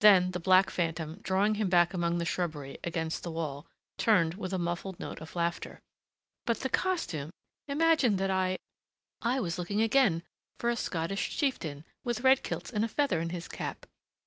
Then the black phantom, drawing him back among the shrubbery, against the wall, turned with a muffled note of laughter. "But the costume! Imagine that I I was looking again for a Scottish chieftain with red kilts and a feather in his cap!"